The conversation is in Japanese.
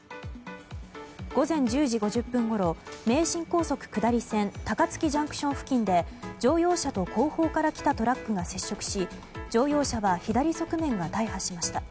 午前１０時５０分ごろ名神高速下り線高槻ＪＣＴ付近で乗用車と後方から来たトラックが接触し乗用車は左側面が大破しました。